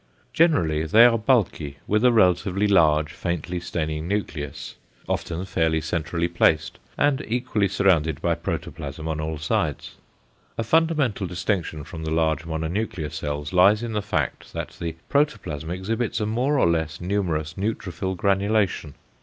Generally they are bulky, with a relatively large, faintly staining nucleus, often fairly centrally placed, and equally surrounded by protoplasm on all sides. A fundamental distinction from the large mononuclear cells lies in the fact that the protoplasm exhibits a more or less numerous neutrophil granulation.